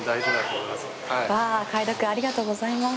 快諾ありがとうございます。